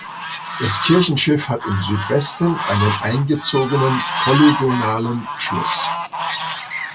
Das Kirchenschiff hat im Südwesten einen eingezogenen polygonalen Schluss.